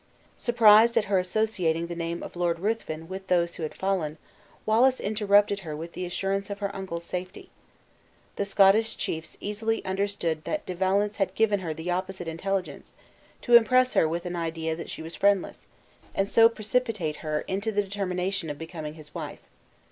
Surprised at her associating the name of Lord Ruthven with those who had fallen, Wallace interrupted her with the assurance of her uncle's safety. The Scottish chiefs easily understood that De Valence had given her the opposite intelligence, to impress her with an idea that she was friendless, and so precipitate her into the determination of becoming his wife.